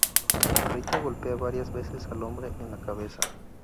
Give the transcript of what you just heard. Rita golpea varias veces al hombre en la cabeza.